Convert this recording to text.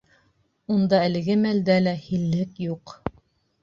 Унда әлеге мәлдә лә һиллек юҡ.